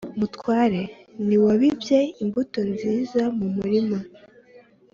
Mutware ntiwabibye imbuto nziza mu murima